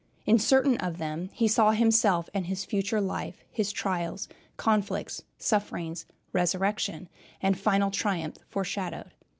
In certain of them he saw himself and his future life, his trials, conflicts, sufferings, resurrection, and final triumph foreshadowed.